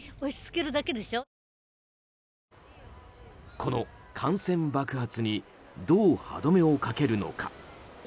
この感染爆発にどう歯止めをかけるのか。